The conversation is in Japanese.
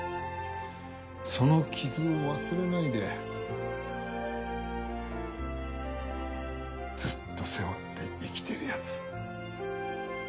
その傷を忘れないでずっと背負って生きてるヤツ